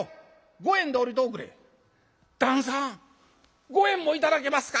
「旦さん五円も頂けますか？」。